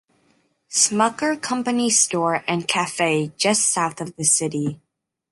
Smucker Company Store and Cafe just south of the city.